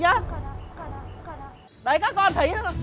đấy các con thấy